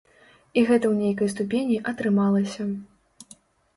І гэта ў нейкай ступені атрымалася.